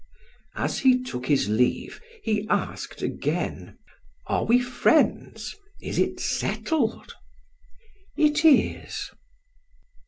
As he took his leave, he asked again: "Are we friends is it settled?" "It is."